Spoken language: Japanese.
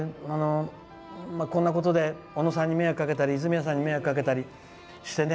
こんなことで小野さんに迷惑かけたり、泉谷さんに迷惑かけたりしてね。